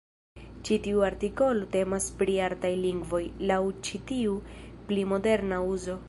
Ĉi tiu artikolo temas pri "artaj lingvoj" laŭ ĉi tiu pli moderna uzo.